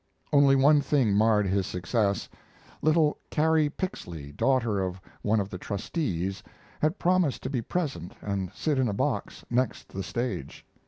Only one thing marred his success. Little Carrie Pixley, daughter of one of the "trustees," had promised to be present and sit in a box next the stage.